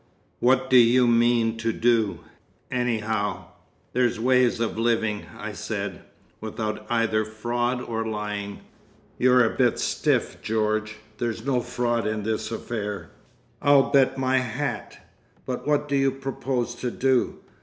What do you mean to do—anyhow?" "There's ways of living," I said, "Without either fraud or lying." "You're a bit stiff, George. There's no fraud in this affair, I'll bet my hat. But what do you propose to do?